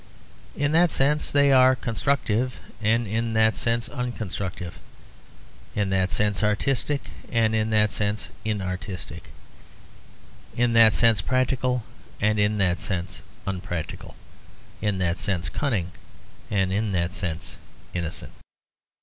In that sense they are constructive and in that sense unconstructive; in that sense artistic and in that sense inartistic; in that sense practical and in that sense unpractical; in that sense cunning and in that sense innocent.